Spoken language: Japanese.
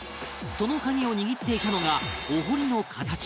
その鍵を握っていたのがお堀の形